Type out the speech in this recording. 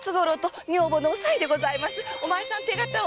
お前さん手形を。